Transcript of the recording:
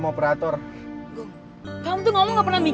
kei kei tunggu kei